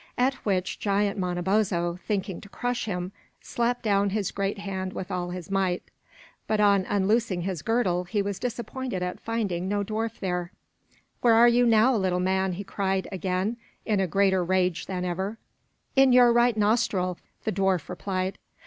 At which giant Manabozho, thinking to crush him, slapped down his great hand with all his might; but on unloosing his girdle he was disappointed at finding no dwarf there. "Where are you now, little man?" he cried again, in a greater rage than ever. "In your right nostril!" the dwarf replied.